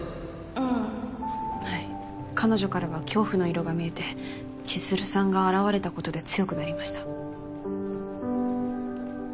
うんはい彼女からは「恐怖」の色が見えて千弦さんが現れたことで強くなりました。